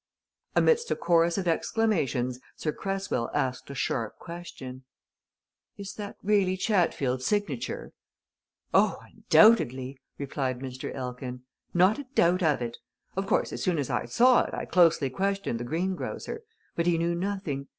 Amidst a chorus of exclamations Sir Cresswell asked a sharp question. "Is that really Chatfield's signature?" "Oh, undoubtedly!" replied Mr. Elkin. "Not a doubt of it. Of course, as soon as I saw it, I closely questioned the greengrocer. But he knew nothing.